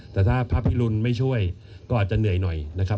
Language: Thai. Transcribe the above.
แต่ถ้าพระพิรุณไม่ช่วยก็อาจจะเหนื่อยหน่อยนะครับ